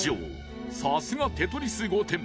［さすがテトリス御殿］